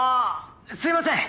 すいません！